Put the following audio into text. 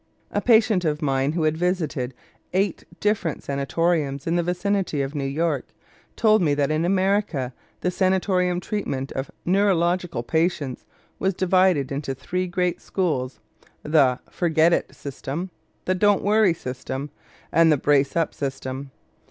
A patient of mine who had visited eight different sanatoriums in the vicinity of New York told me that in America the sanatorium treatment of neurological patients was divided into three great schools: the "forget it" system, the "don't worry" system, and the "brace up" system.